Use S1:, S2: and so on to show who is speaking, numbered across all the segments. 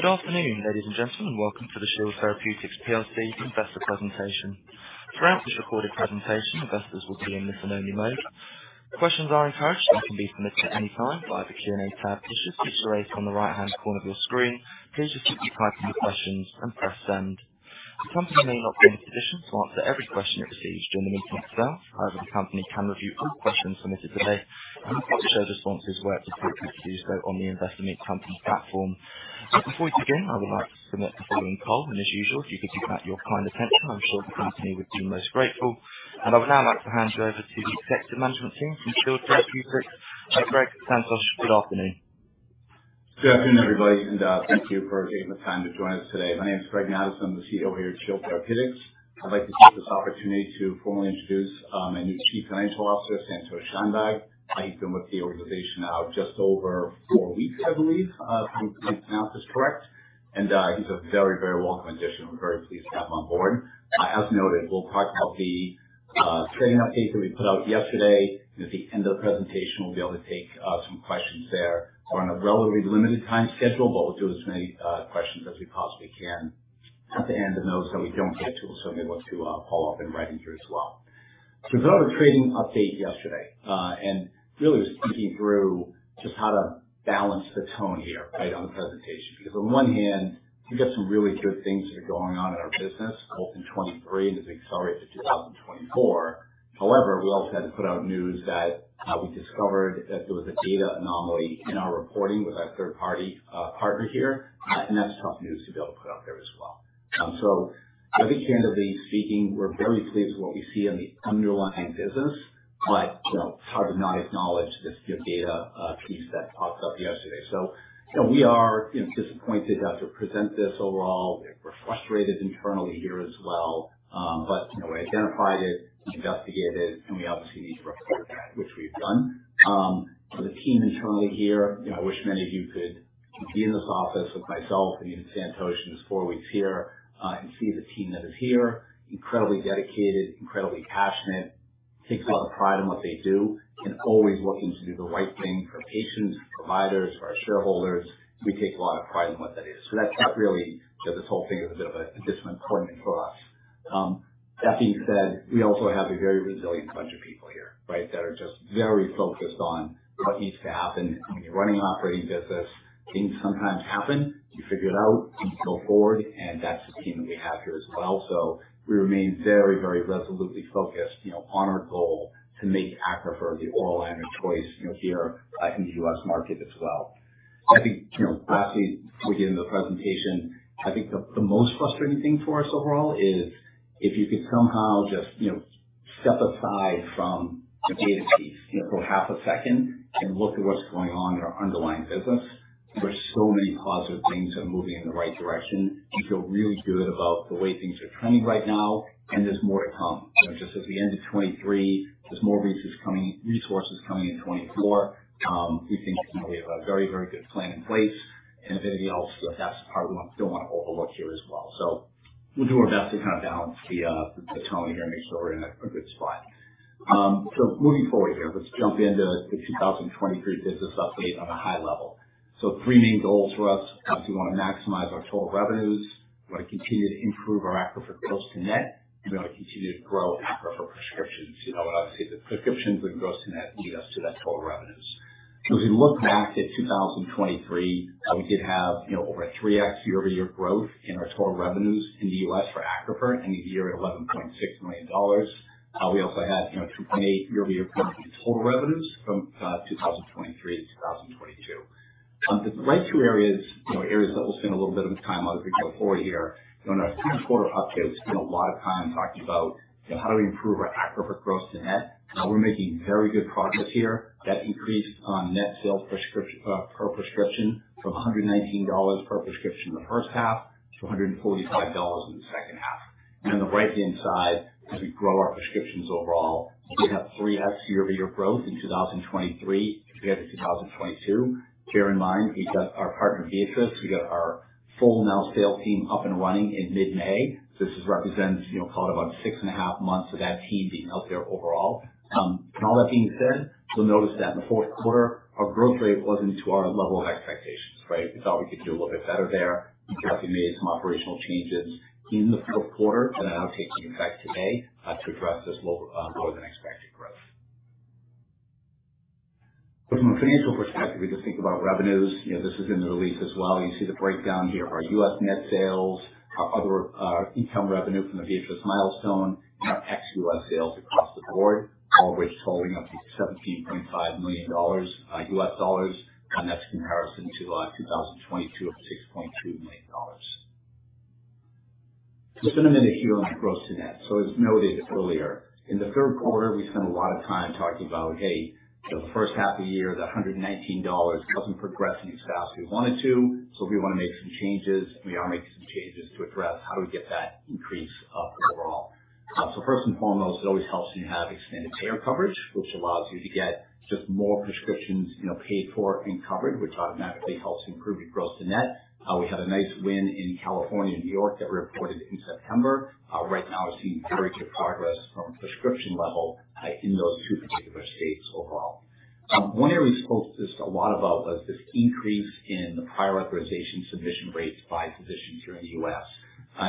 S1: Good afternoon, ladies and gentlemen, and welcome to the Shield Therapeutics PLC investor presentation. Throughout this recorded presentation, investors will be in listen only mode. Questions are encouraged and can be submitted at any time via the Q&A tab, which should be displayed on the right-hand corner of your screen. Please just keep typing your questions and press Send. The company may not be in a position to answer every question it receives during the meeting itself. However, the company can review all questions submitted today, and we'll share the responses where appropriate, Tuesday on the Investor Meet Company platform. So before we begin, I would like to submit the following poll, and as usual, if you could give that your kind attention, I'm sure the company would be most grateful. I would now like to hand you over to the executive management team from Shield Therapeutics. So, Greg, Santosh, good afternoon.
S2: Good afternoon, everybody, and thank you for taking the time to join us today. My name is Greg Madison. I'm the CEO here at Shield Therapeutics. I'd like to take this opportunity to formally introduce our new Chief Financial Officer, Santosh Shanbhag. He's been with the organization now just over four weeks, I believe, if I can pronounce this correct. And he's a very, very welcome addition. We're very pleased to have him on board. As noted, we'll talk about the trading update that we put out yesterday. And at the end of the presentation, we'll be able to take some questions there. We're on a relatively limited time schedule, but we'll do as many questions as we possibly can at the end. And those that we don't get to, we'll certainly look to follow up in writing here as well. So we put out a trading update yesterday, and really was thinking through just how to balance the tone here, right, on the presentation. Because on one hand, we've got some really good things that are going on in our business, both in 2023 and is accelerated to 2024. However, we also had to put out news that we discovered that there was a data anomaly in our reporting with our third-party partner here. That's tough news to be able to put out there as well. So I think candidly speaking, we're very pleased with what we see on the underlying business, but, you know, it's hard to not acknowledge this new data piece that popped up yesterday. So, you know, we are, you know, disappointed to have to present this overall. We're frustrated internally here as well. But, you know, we identified it, we investigated it, and we obviously need to report it back, which we've done. The team internally here, you know, I wish many of you could be in this office with myself and even Santosh, in his four weeks here, and see the team that is here. Incredibly dedicated, incredibly passionate, takes a lot of pride in what they do, and always looking to do the right thing for patients, providers, for our shareholders. We take a lot of pride in what that is. So that's not really... So this whole thing is a bit of a disappointment for us. That being said, we also have a very resilient bunch of people here, right? That are just very focused on what needs to happen. When you're running an operating business, things sometimes happen, you figure it out, you go forward, and that's the team that we have here as well. So we remain very, very resolutely focused, you know, on our goal to make Accrufer the oral antianaemic choice, you know, here, in the U.S. market as well. I think, you know, lastly, before we get into the presentation, I think the most frustrating thing for us overall is if you could somehow just, you know, step aside from the data piece, you know, for half a second and look at what's going on in our underlying business. There's so many positive things that are moving in the right direction. We feel really good about the way things are trending right now, and there's more to come. You know, just at the end of 2023, there's more resources coming, resources coming in 2024. We think we have a very, very good plan in place and everything else. So that's the part we want, don't want to overlook here as well. So we'll do our best to kind of balance the tone here and make sure we're in a good spot. So moving forward here, let's jump into the 2023 business update on a high level. So three main goals for us. We want to maximize our total revenues. We want to continue to improve our Accrufer gross-to-net, and we want to continue to grow Accrufer prescriptions. You know, obviously, the prescriptions and gross-to-net lead us to that total revenues. So if we look back at 2023, we did have, you know, over a 3x year-over-year growth in our total revenues in the US for Accrufer, ending the year at $11,600,000. We also had, you know, 2.8 year-over-year growth in total revenues from 2023 to 2022. The right two areas, you know, areas that we'll spend a little bit of time on as we go forward here. In our second quarter updates, we spent a lot of time talking about, you know, how do we improve our Accrufer gross-to-net? We're making very good progress here. That increased on net sales prescription per prescription from $119 per prescription in the first half to $145 in the second half. And on the right-hand side, as we grow our prescriptions overall, we have 3x year-over-year growth in 2023 compared to 2022. Bear in mind, we've got our partner, Viatris. We got our full now sales team up and running in mid-May. So this is represents, you know, about six and a half months of that team being out there overall. And all that being said, you'll notice that in the fourth quarter, our growth rate wasn't to our level of expectations, right? We thought we could do a little bit better there. We've obviously made some operational changes in the fourth quarter that are now taking effect today, to address this lower, lower than expected growth. So from a financial perspective, we just think about revenues. You know, this is in the release as well. You see the breakdown here. Our U.S. net sales, our other income revenue from the Viatris milestone, and our ex-U.S. sales across the board, all of which totaling up to $17,500,000, US dollars, that's in comparison to 2022 at $6,200,000.... So Similarly is here on gross-to-net. As noted earlier, in the third quarter, we spent a lot of time talking about, hey, the first half of the year, the $119 doesn't progress as fast as we want it to, so we want to make some changes, and we are making some changes to address how do we get that increase, overall. First and foremost, it always helps when you have expanded payer coverage, which allows you to get just more prescriptions, you know, paid for and covered, which automatically helps improve your gross-to-net. We had a nice win in California and New York that we reported in September. Right now we're seeing very good progress from a prescription level, in those two particular states overall. One area we spoke just a lot about was this increase in the prior authorization submission rates by physicians here in the U.S.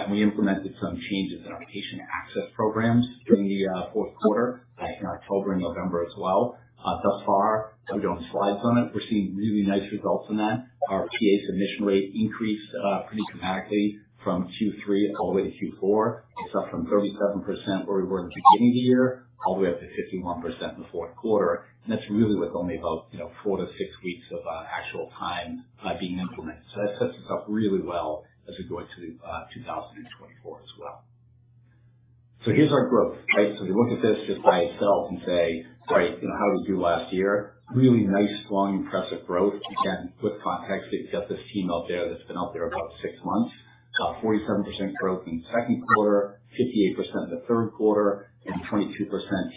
S2: We implemented some changes in our patient access programs during the fourth quarter, back in October and November as well. Thus far, we don't have slides on it. We're seeing really nice results from that. Our PA submission rate increased pretty dramatically from Q3 all the way to Q4. It's up from 37% where we were at the beginning of the year, all the way up to 51% in the fourth quarter. And that's really with only about, you know, 4-6 weeks of actual time being implemented. So that sets us up really well as we go into 2024 as well. So here's our growth, right? So if you look at this just by itself and say, right, you know, how did we do last year? Really nice, strong, impressive growth. Again, with context, you've got this team out there that's been out there about six months. 47% growth in the second quarter, 58% in the third quarter, and 22%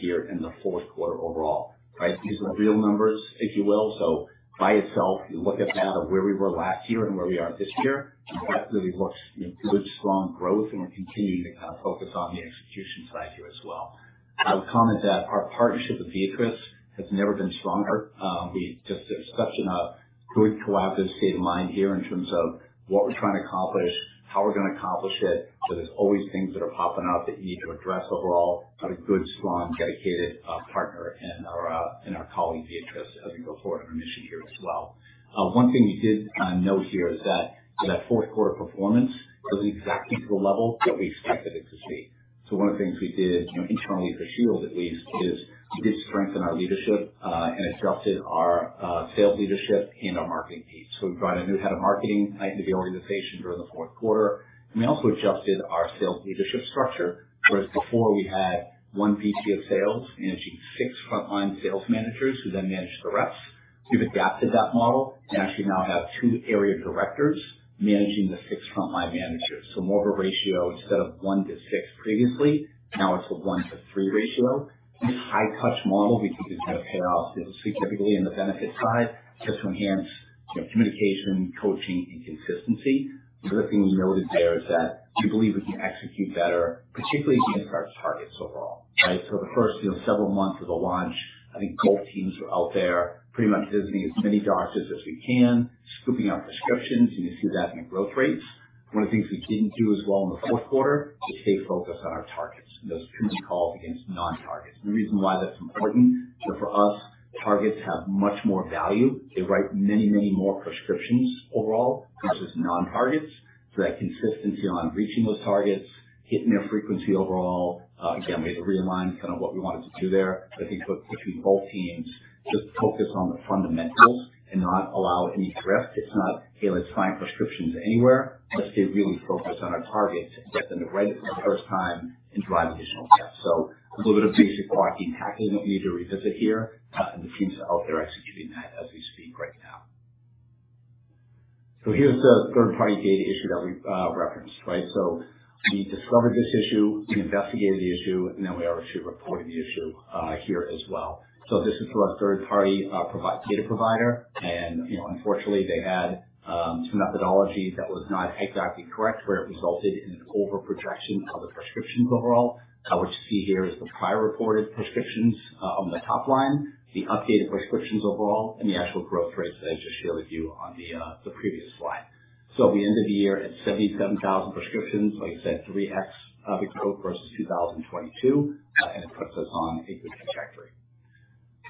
S2: here in the fourth quarter overall. Right. These are real numbers, if you will. So by itself, you look at that of where we were last year and where we are this year, that really looks good, strong growth, and we're continuing to kind of focus on the execution side here as well. I would comment that our partnership with Viatris has never been stronger. We just, there's such a good collaborative state of mind here in terms of what we're trying to accomplish, how we're going to accomplish it. So there's always things that are popping up that we need to address overall, but a good, strong, dedicated partner in our, in our colleague Viatris, as we go forward in our mission here as well. One thing we did note here is that that fourth quarter performance was exactly to the level that we expected it to be. So one of the things we did, you know, internally at Shield at least, is we did strengthen our leadership and adjusted our sales leadership and our marketing team. So we brought a new head of marketing into the organization during the fourth quarter, and we also adjusted our sales leadership structure. Whereas before we had 1 VP of sales managing six frontline sales managers who then managed the reps, we've adapted that model and actually now have two area directors managing the six frontline managers. So more of a ratio, instead of 1-to-6 previously, now it's a 1-to-3 ratio. It's a high touch model. We think it's going to pay off significantly in the benefit side, just to enhance, you know, communication, coaching, and consistency. The other thing we noted there is that we believe we can execute better, particularly against our targets overall, right? So the first, you know, several months of the launch, I think both teams were out there pretty much visiting as many doctors as we can, scooping out prescriptions, and you see that in growth rates. One of the things we didn't do as well in the fourth quarter is stay focused on our targets, and those who call against non-targets. The reason why that's important is that for us, targets have much more value. They write many, many more prescriptions overall versus non-targets. So that consistency on reaching those targets, hitting their frequency overall. Again, we had to realign kind of what we wanted to do there. I think between both teams, just focus on the fundamentals and not allow any drift. It's not, "Hey, let's find prescriptions anywhere." Let's stay really focused on our targets and get them to right the first time and drive additional depth. So a little bit of basic blocking and tackling that we need to revisit here, and the teams are out there executing that as we speak right now. So here's the third-party data issue that we referenced, right? So we discovered this issue, we investigated the issue, and then we obviously reported the issue here as well. So this is from a third-party data provider, and you know, unfortunately, they had some methodology that was not exactly correct, where it resulted in an over projection of the prescriptions overall. What you see here is the prior reported prescriptions on the top line, the updated prescriptions overall, and the actual growth rates that I just shared with you on the previous slide. So at the end of the year, at 77,000 prescriptions, like I said, 3x, we grew versus 2022, and it puts us on a good trajectory.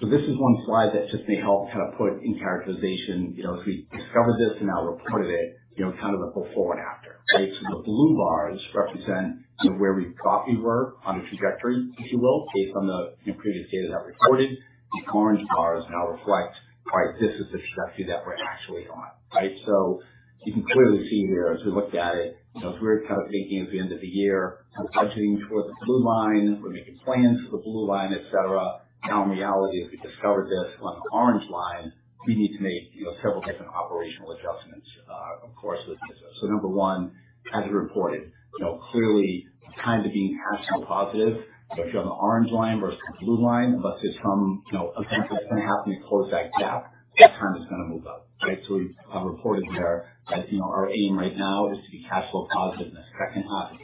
S2: So this is one slide that just may help kind of put in characterization, you know, as we discovered this and now reported it, you know, kind of the before and after. Right. So the blue bars represent, you know, where we thought we were on the trajectory, if you will, based on the, you know, previous data that we reported. These orange bars now reflect, all right, this is the trajectory that we're actually on, right? So you can clearly see here as we looked at it, you know, we were kind of thinking at the end of the year, kind of budgeting toward the blue line. We're making plans for the blue line, et cetera. Now, in reality, as we discovered this on the orange line, we need to make, you know, several different operational adjustments, of course, with this. So number one, as we reported, you know, clearly, time to being cash flow positive. So if you're on the orange line versus the blue line, unless there's some, you know, event that's going to happen to close that gap, that time is going to move up, right? So we've reported there that, you know, our aim right now is to be cash flow positive in the second half of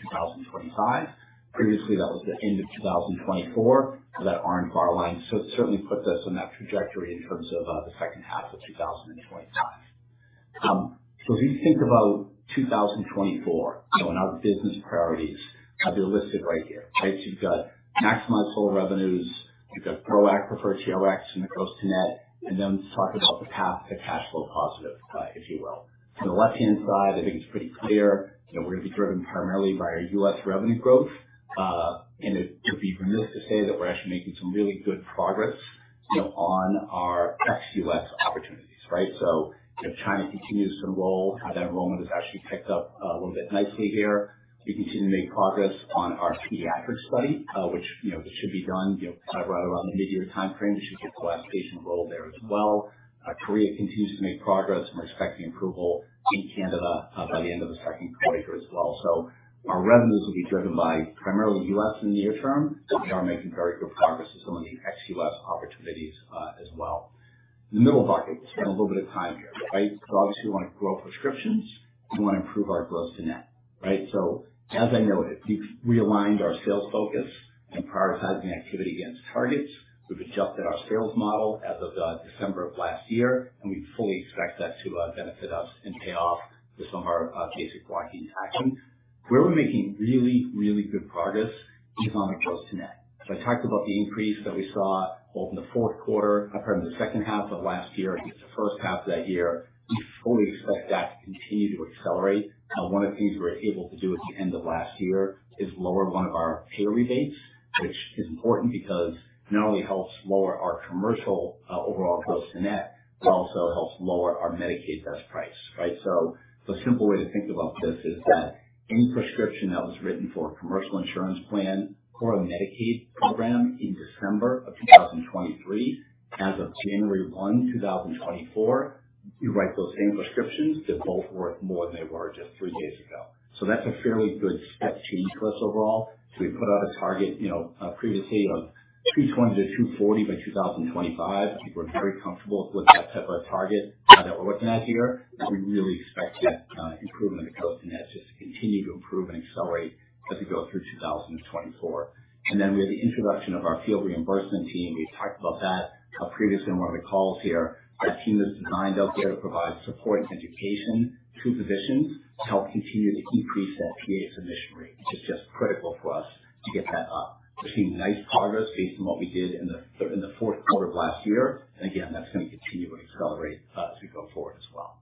S2: 2025. Previously, that was the end of 2024. So that orange bar line so certainly puts us on that trajectory in terms of the second half of 2025. So if you think about 2024, you know, and our business priorities, they're listed right here, right? So you've got maximize total revenues, you've got grow preferred Rx and the gross-to-net, and then talk about the path to cash flow positive, if you will. So the left-hand side, I think it's pretty clear. You know, we're going to be driven primarily by our US revenue growth. And it would be remiss to say that we're actually making some really good progress... you know, on our ex-US opportunities, right? So, you know, China continues to enroll. That enrollment has actually picked up, a little bit nicely here. We continue to make progress on our pediatric study, which, you know, should be done, you know, right around the midyear timeframe. We should get the last patient enrolled there as well. Korea continues to make progress. We're expecting approval in Canada, by the end of the second quarter as well. So our revenues will be driven by primarily U.S. in the near term, but we are making very good progress with some of the ex-U.S. opportunities, as well. The middle bucket, spend a little bit of time here, right? So obviously, we want to grow prescriptions, we want to improve our Gross-to-Net, right? So, as I noted, we've realigned our sales focus and prioritizing activity against targets. We've adjusted our sales model as of, December of last year, and we fully expect that to, benefit us and pay off with some of our, basic blocking and tackling. Where we're making really, really good progress is on our Gross-to-Net. So I talked about the increase that we saw both in the fourth quarter, or pardon, the second half of last year and the first half of that year. We fully expect that to continue to accelerate. One of the things we were able to do at the end of last year is lower one of our payer rebates, which is important because not only helps lower our commercial overall Gross-to-Net, but also helps lower our Medicaid best price, right? So the simple way to think about this is that any prescription that was written for a commercial insurance plan or a Medicaid program in December 2023, as of January 1, 2024, you write those same prescriptions, they're both worth more than they were just three days ago. So that's a fairly good step change for us overall. So we put out a target, you know, previously of $220-$240 by 2025. I think we're very comfortable with that type of target that we're looking at here. We really expect that improvement in the gross-to-net just to continue to improve and accelerate as we go through 2024. And then we have the introduction of our field reimbursement team. We've talked about that previously on one of the calls here. A team that's designed out there to provide support and education to physicians to help continue to increase that PA submission rate, which is just critical for us to get that up. We're seeing nice progress based on what we did in the fourth quarter of last year, and again, that's going to continue and accelerate as we go forward as well.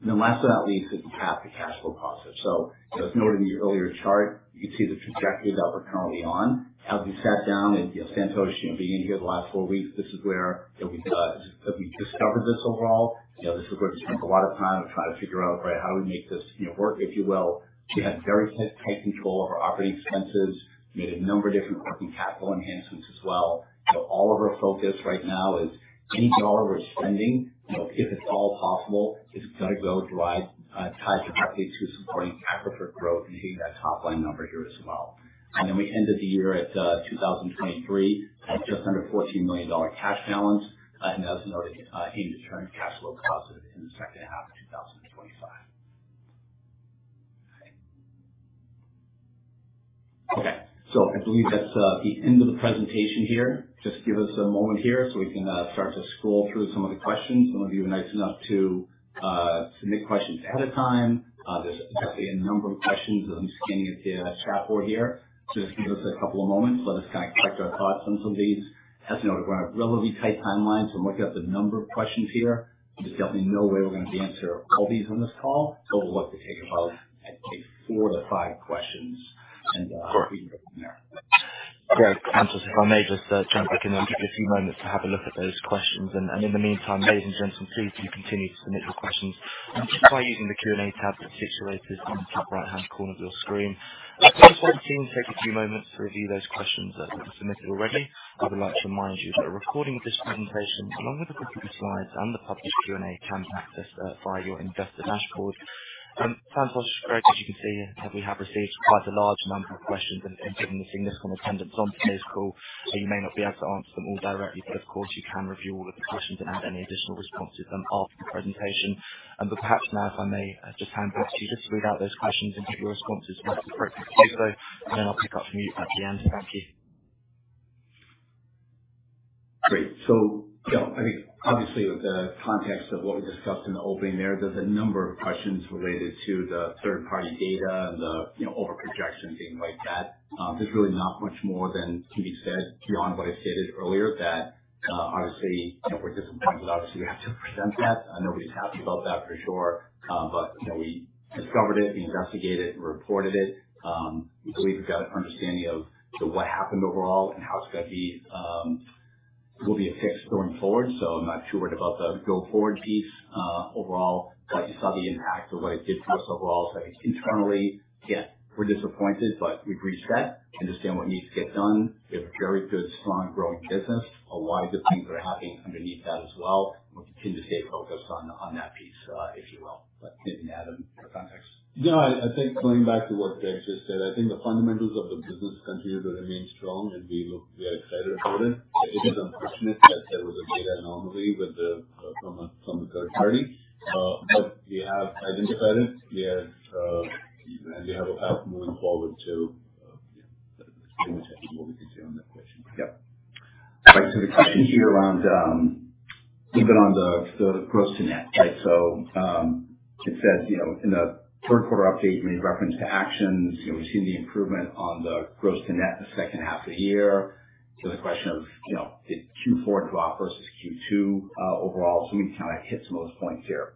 S2: And then last but not least, is the path to cash flow positive. So as noted in the earlier chart, you see the trajectory that we're currently on. As we sat down and, you know, Santosh, you know, being here the last four weeks, this is where, you know, we discovered this overall. You know, this is where we spent a lot of time trying to figure out, right, how do we make this, you know, work, if you will. We had very tight control over our operating expenses, made a number of different working capital enhancements as well. So all of our focus right now is any dollar we're spending, you know, if it's all possible, it's going to go drive tied directly to supporting Accrufer growth and hitting that top line number here as well. And then we ended the year at 2023, at just under $14,000,000 cash balance. As noted, aim to turn cash flow positive in the second half of 2025. Okay. So I believe that's the end of the presentation here. Just give us a moment here so we can start to scroll through some of the questions. Some of you were nice enough to submit questions ahead of time. There's definitely a number of questions as I'm scanning it here, the chat board here. Just give us a couple of moments, let us kind of collect our thoughts on some of these. As noted, we're on a relatively tight timeline, so I'm looking at the number of questions here. There's definitely no way we're going to be able to answer all these on this call. So we'll look to take about, I'd say, 4-5 questions and we can go from there.
S1: Great. Santosh, if I may just jump back in there. Give you a few moments to have a look at those questions. And in the meantime, ladies and gentlemen, please do continue to submit your questions just by using the Q&A tab that's situated on the top right-hand corner of your screen. As the team takes a few moments to review those questions that have been submitted already, I would like to remind you that a recording of this presentation, along with the presented slides and the published Q&A, can be accessed via your investor dashboard. Santosh, Greg, as you can see that we have received quite a large number of questions and given the significant attendance on today's call, so you may not be able to answer them all directly, but of course you can review all of the questions and add any additional responses then after the presentation. But perhaps now, if I may just hand back to you just to read out those questions and get your responses, briefly, if you will. And then I'll pick up from you at the end. Thank you.
S2: Great. So, you know, I think obviously with the context of what we discussed in the opening there, there's a number of questions related to the third-party data and the, you know, overprojection, things like that. There's really not much more than can be said beyond what I stated earlier that, obviously, you know, we're disappointed. Obviously, we have to present that. I know we're happy about that for sure. But, you know, we discovered it, we investigated it, we reported it. We believe we've got a understanding of, so what happened overall and how it's going to be, will be fixed going forward. So I'm not sure what about the go forward piece, overall, but you saw the impact of what it did for us overall. So I think internally, yeah, we're disappointed, but we've reset, understand what needs to get done. We have a very good, strong, growing business. A lot of good things are happening underneath that as well. We continue to stay focused on that piece, if you will. But, Santosh, add in the context.
S3: No, I think going back to what Greg just said, I think the fundamentals of the business continue to remain strong, and we look, we are excited about it. It is unfortunate that there was a data anomaly with the from a from the third party, but we have identified it. We have, and we have a path moving forward to, you know, limit what we can do on that question.
S2: Yep. Right. So the question here around even on the Gross-to-Net, right? So it says, you know, in the third quarter update, you made reference to actions. You know, we've seen the improvement on the Gross-to-Net in the second half of the year. So the question of, you know, did Q4 drop versus Q2 overall? So we kind of hit some of those points here...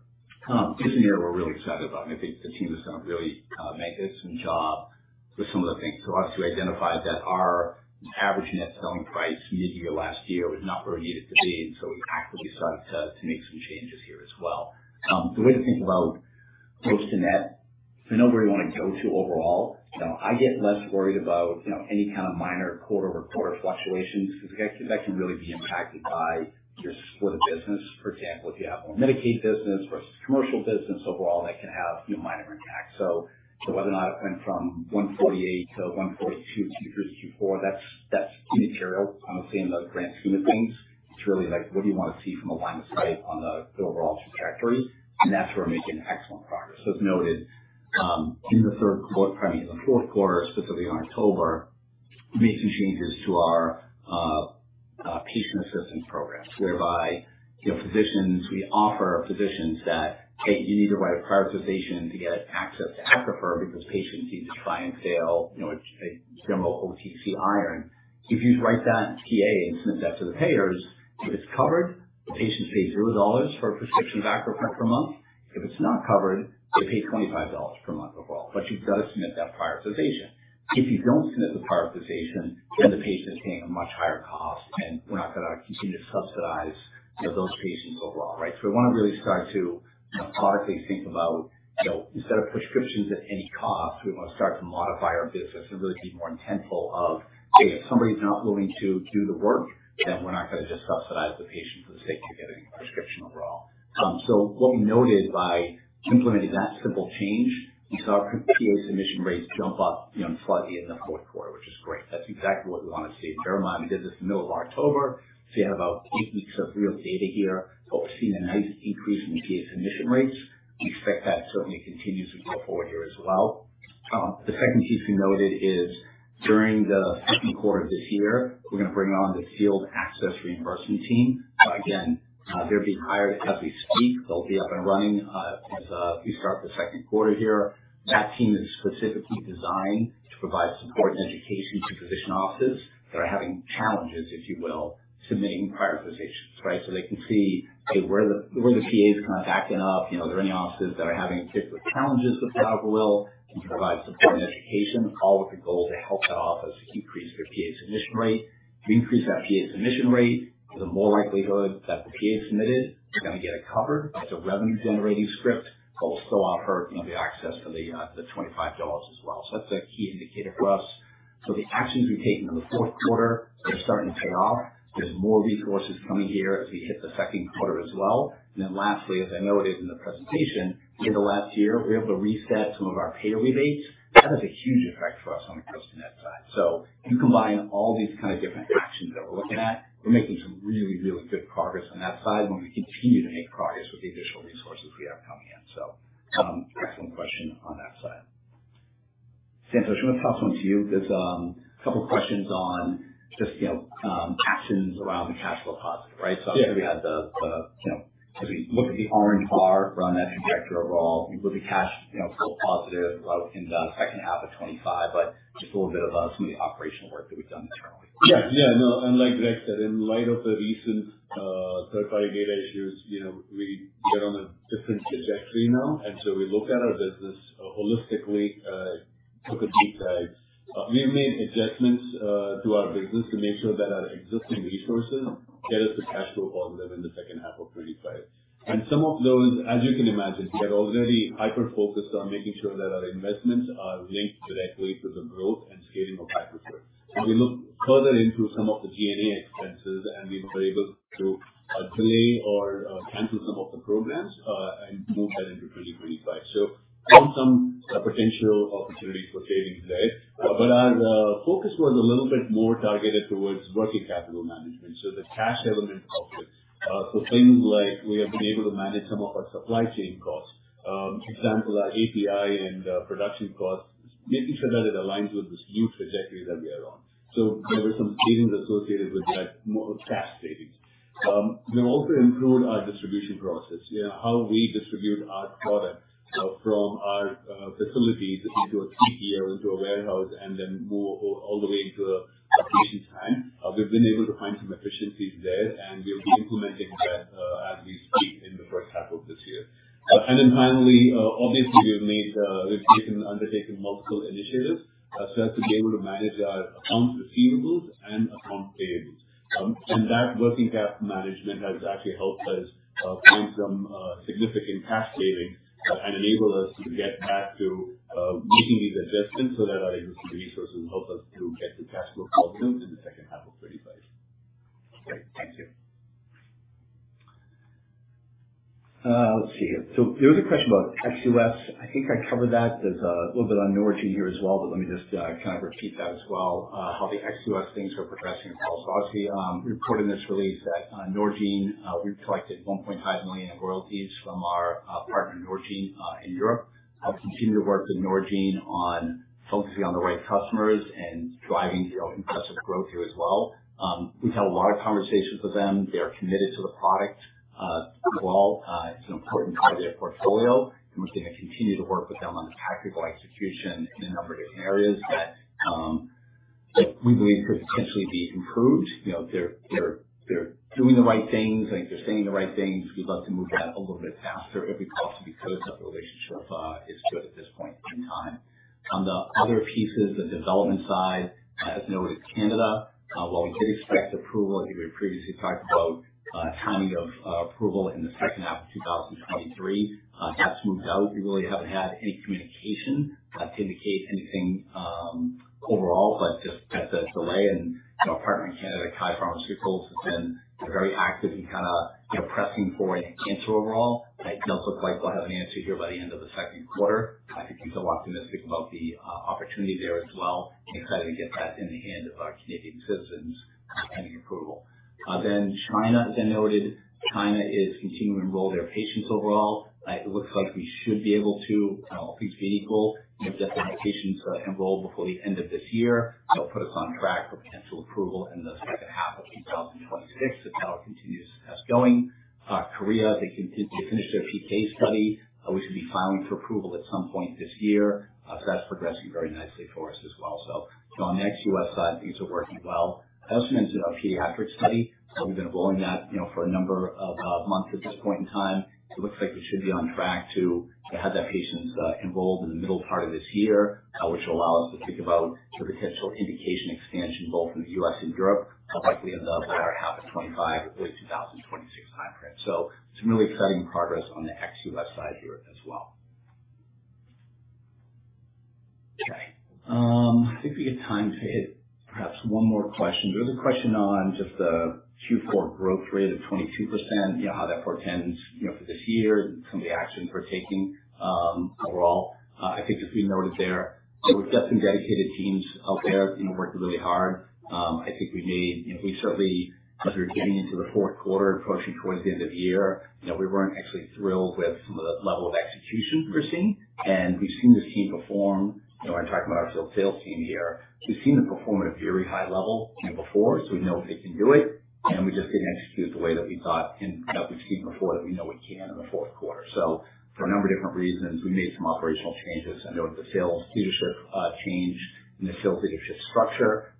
S2: This year we're really excited about, and I think the team is gonna really make this some job with some of the things. So us, we identified that our average Net Selling Price year to year last year was not where we needed it to be, and so we actively started to make some changes here as well. The way to think about Gross-to-Net, so nowhere we want to go to overall. You know, I get less worried about, you know, any kind of minor quarter-over-quarter fluctuations, because that, that can really be impacted by your split of business. For example, if you have more Medicaid business versus commercial business overall, that can have, you know, minor impact. So, so whether or not it went from $148 to $142 to $324, that's, that's immaterial, honestly, in the grand scheme of things. It's really like, what do you want to see from a line of sight on the, the overall trajectory? And that's where we're making excellent progress. So as noted, in the third quarter, pardon me, in the fourth quarter, specifically on October, we made some changes to our patient assistance programs, whereby, you know, physicians, we offer physicians that, hey, you need to write a prior authorization to get access to Accrufer because patients need to try and fail, you know, a general OTC iron. If you write that PA and submit that to the payers, if it's covered, the patient pays $0 for a prescription of Accrufer per month. If it's not covered, they pay $25 per month overall. But you've got to submit that prior authorization. If you don't submit the prior authorization, then the patient is paying a much higher cost, and we're not gonna continue to subsidize, you know, those patients overall, right? So we wanna really start to, you know, thoughtfully think about, you know, instead of prescriptions at any cost, we want to start to modify our business and really be more intentful of, hey, if somebody's not willing to do the work, then we're not gonna just subsidize the patient for the sake of getting a prescription overall. So what we noted by implementing that simple change, we saw our PA submission rates jump up, you know, slightly in the fourth quarter, which is great. That's exactly what we want to see. Bear in mind, we did this in the middle of October, so you have about eight weeks of real data here, but we've seen a nice increase in the PA submission rates. We expect that to certainly continue to go forward here as well. The second key thing noted is during the second quarter of this year, we're gonna bring on the field access reimbursement team. Again, they're being hired as we speak. They'll be up and running as of we start the second quarter here. That team is specifically designed to provide support and education to physician offices that are having challenges, if you will, submitting prior authorizations, right? So they can see, okay, where are the, where are the PAs kind of backing up? You know, are there any offices that are having particular challenges with the prior auth, and provide support and education, all with the goal to help that office increase their PA submission rate. If we increase that PA submission rate, there's a more likelihood that the PA submitted is gonna get it covered. It's a revenue-generating script, but we'll still offer, you know, the access for the $25 as well. So that's a key indicator for us. So the actions we've taken in the fourth quarter are starting to pay off. There's more resources coming here as we hit the second quarter as well. And then lastly, as I noted in the presentation, in the last year, we were able to reset some of our payer rebates. That has a huge effect for us on the Gross-to-Net side. So if you combine all these kind of different actions that we're looking at, we're making some really, really good progress on that side, and we continue to make progress with the additional resources we have coming in. So, excellent question on that side. Santosh, I'm going to toss one to you, because, a couple questions on just, you know, actions around the cash flow positive, right?
S3: Yeah.
S2: So obviously, we had, you know, as we look at the orange bar around that trajectory overall, we look at cash, you know, flow positive out in the second half of 2025, but just a little bit about some of the operational work that we've done internally.
S3: Yeah. Yeah, no, and like Greg said, in light of the recent third-party data issues, you know, we are on a different trajectory now, and so we look at our business holistically, took a deep dive. We've made adjustments to our business to make sure that our existing resources get us to cash flow positive in the second half of 2025. And some of those, as you can imagine, we are already hyper-focused on making sure that our investments are linked directly to the growth and scaling of Accrufer. So we looked further into some of the G&A expenses, and we were able to delay or cancel some of the programs and move that into 2025. So found some potential opportunities for savings there. But our focus was a little bit more targeted towards working capital management. So the cash element of it. So things like we have been able to manage some of our supply chain costs. Example, our API and production costs, making sure that it aligns with this new trajectory that we are on. So there were some savings associated with that cash savings. We've also improved our distribution process. You know, how we distribute our product from our facilities into a 3PL, into a warehouse, and then move all the way into a patient's hand. We've been able to find some efficiencies there, and we'll be implementing that as we speak in the first half of this year. And then finally, obviously, we have made, we've undertaken multiple initiatives so as to be able to manage our accounts receivables and account payables. That working cap management has actually helped us find some significant cash savings, and enabled us to get back to making these adjustments so that our existing resources help us to get to cash flow positive in the second half of 2025.
S2: Great. Thank you. Let's see here. So there was a question about XUS. I think I covered that. There's a little bit on Norgine here as well, but let me just kind of repeat that as well, how the XUS things are progressing as well. So obviously, we reported in this release that Norgine, we've collected 1,500,000 in royalties from our partner, Norgine in Europe. I'll continue to work with Norgine on focusing on the right customers and driving, you know, impressive growth here as well. We've had a lot of conversations with them. They are committed to the product as well. It's an important part of their portfolio, and we're going to continue to work with them on the tactical execution in a number of different areas that... that we believe could potentially be improved. You know, they're doing the right things. I think they're saying the right things. We'd love to move that a little bit faster if we possibly could, because the relationship is good at this point in time. On the other pieces, the development side, as noted, Canada, while we did expect approval, I think we previously talked about timing of approval in the second half of 2023. That's moved out. We really haven't had any communication to indicate anything overall, but just that's a delay. You know, our partner in Canada, KYE Pharmaceuticals, has been very active in kinda, you know, pressing forward into overall. It does look like we'll have an answer here by the end of the second quarter. I could be still optimistic about the opportunity there as well, and excited to get that in the hands of our Canadian citizens, pending approval. Then China, as I noted, China is continuing to enroll their patients overall. It looks like we should be able to, all things being equal, get the patients enrolled before the end of this year. That'll put us on track for potential approval in the second half of 2026, if all continues as going. Korea, they finished their PK study. We should be filing for approval at some point this year. So that's progressing very nicely for us as well. So on the ex-US side, things are working well. I also mentioned our pediatric study. So we've been enrolling that, you know, for a number of months at this point in time. It looks like we should be on track to have that patients enrolled in the middle part of this year, which will allow us to think about sort of potential indication expansion, both in the U.S. and Europe, likely in the latter half of 2025 or early 2026 timeframe. So some really exciting progress on the ex-U.S. side here as well. Okay, I think we have time to hit perhaps one more question. There was a question on just the Q4 growth rate of 22%, you know, how that portends, you know, for this year and some of the action we're taking, overall. I think just we noted there, there were just some dedicated teams out there, you know, working really hard. I think we made -- you know, we certainly, as we were getting into the fourth quarter and approaching towards the end of the year, you know, we weren't actually thrilled with some of the level of execution we were seeing. And we've seen this team perform, you know, I'm talking about our field sales team here. We've seen them perform at a very high level, you know, before, so we know they can do it. And we just didn't execute the way that we thought and that we've seen before, that we know we can in the fourth quarter. So for a number of different reasons, we made some operational changes. I noted the sales leadership, change in the sales leadership structure,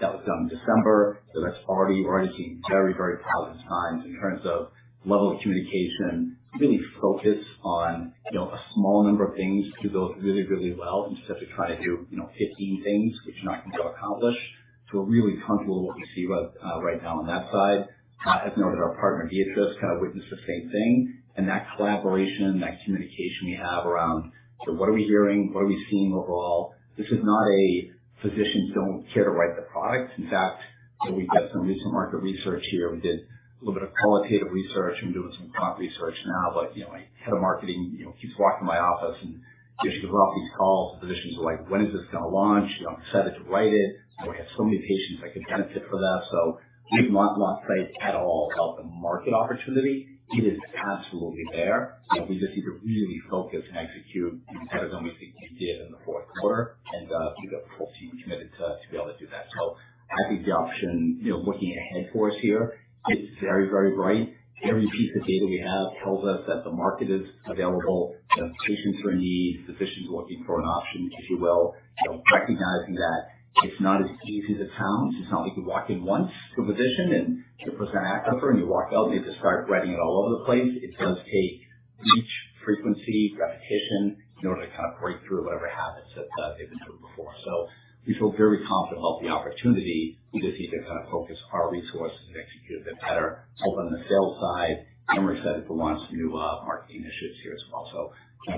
S2: that was done in December. So that's already seen very, very positive signs in terms of level of communication, really focused on, you know, a small number of things to go really, really well instead of trying to do, you know, 15 things which are not going to get accomplished. So we're really comfortable with what we see right now on that side. As noted, our partner, Viatris, kind of witnessed the same thing, and that collaboration, that communication we have around: So what are we hearing? What are we seeing overall? This is not a physicians don't care to write the product. In fact, so we did some recent market research here. We did a little bit of qualitative research. We're doing some quant research now, but, you know, my head of marketing, you know, keeps walking in my office, and, you know, she goes off these calls, the physicians are like: "When is this gonna launch? I'm excited to write it. I have so many patients that could benefit from that." So we've not lost sight at all of the market opportunity. It is absolutely there. We just need to really focus and execute better than we think we did in the fourth quarter. And, we've got the full team committed to be able to do that. So I think the option, you know, looking ahead for us here, it's very, very bright. Every piece of data we have tells us that the market is available. You know, patients are in need, physicians are looking for an option, if you will. You know, recognizing that it's not as easy as it sounds. It's not like you walk in once to a physician and you present a paper, and you walk out, and they just start writing it all over the place. It does take reach, frequency, repetition in order to kind of break through whatever habits that they've been doing before. So we feel very confident about the opportunity. We just need to kind of focus our resources and execute a bit better, both on the sales side and we're excited for the launch of new marketing initiatives here as well. So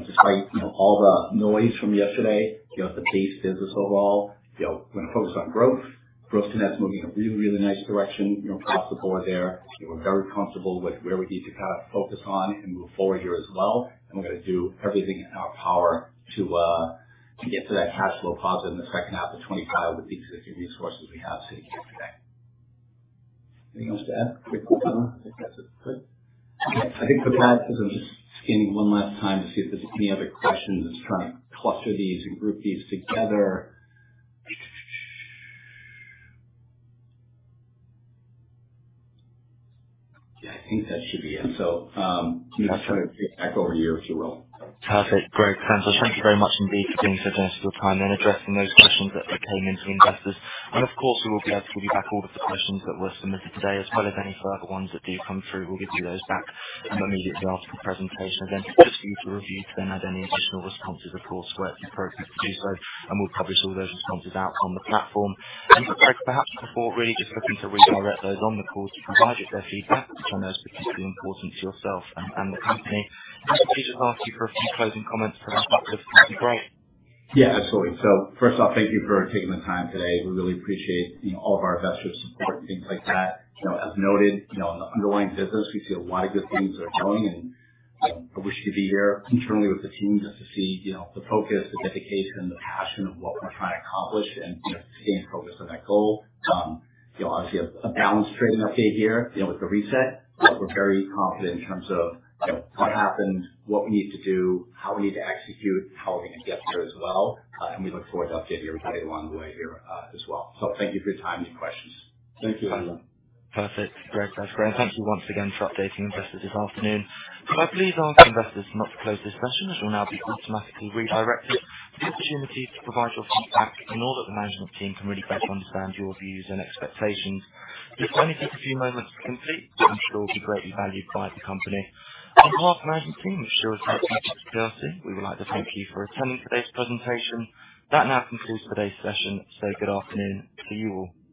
S2: despite, you know, all the noise from yesterday, you know, the base business overall, you know, we're gonna focus on growth. Growth tonight is moving in a really, really nice direction, you know, across the board there. We're very comfortable with where we need to kind of focus on and move forward here as well. We're gonna do everything in our power to get to that cash flow positive in the second half of 2025 with the existing resources we have sitting here today. Anything else to add? I think that's it. Good. I think with that, I'm just scanning one last time to see if there's any other questions, just trying to cluster these and group these together. Yeah, I think that should be it. So, I'll just kind of back over to you, if you will.
S1: Perfect. Great. Thank you very much indeed for taking the time and addressing those questions that came in to investors. Of course, we will be able to give you back all of the questions that were submitted today, as well as any further ones that do come through. We'll get you those back immediately after the presentation, and then just for you to review to then add any additional responses, of course, we're happy to do so. We'll publish all those responses out on the platform. Greg, perhaps before, really just looking to redirect those on the call to provide you their feedback, which I know is particularly important to yourself and the company. Let me just ask you for a few closing comments from our side. That'd be great.
S2: Yeah, absolutely. So first off, thank you for taking the time today. We really appreciate, you know, all of our investors' support and things like that. You know, as noted, you know, on the underlying business, we see a lot of good things are going, and I wish you could be here internally with the team just to see, you know, the focus, the dedication, the passion of what we're trying to accomplish and, you know, staying focused on that goal. You know, obviously, a balanced trading update here, you know, with the reset, but we're very confident in terms of, you know, what happened, what we need to do, how we need to execute, how we're going to get there as well. And we look forward to updating you everybody along the way here, as well. So thank you for your time and questions.
S3: Thank you.
S1: Perfect. Great. That's great. Thank you once again for updating investors this afternoon. Could I please ask investors not to close this session, as you'll now be automatically redirected to the opportunity to provide your feedback, in order that the management team can really better understand your views and expectations. This will only take a few moments to complete, which I'm sure will be greatly valued by the company. On behalf of the management team, we sure thank you for your courtesy. We would like to thank you for attending today's presentation. That now concludes today's session. Good afternoon to you all.